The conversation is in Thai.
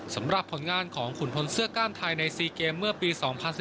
สำหรับผลงานของขุนพลเสื้อกล้ามไทยใน๔เกมเมื่อปี๒๐๑๙